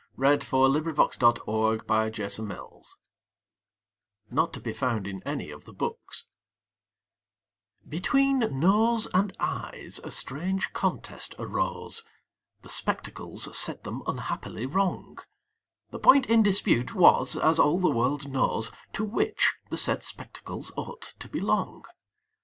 F. C. Burnand. REPORT OF AN ADJUDGED CASE NOT TO BE FOUND IN ANY OF THE BOOKS Between Nose and Eyes a strange contest arose, The spectacles set them unhappily wrong; The point in dispute was, as all the world knows, To which the said spectacles ought to belong.